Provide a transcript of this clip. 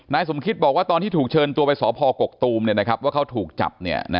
สมคิตบอกว่าตอนที่ถูกเชิญตัวไปสพกกตูมว่าเขาถูกจับ